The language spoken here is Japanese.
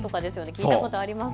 聞いたことあります。